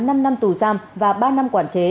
năm năm tù giam và ba năm quản chế